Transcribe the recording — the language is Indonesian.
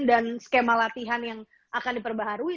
dan skema latihan yang akan diperbaharui